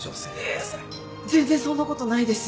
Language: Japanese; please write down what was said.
いえ全然そんなことないです。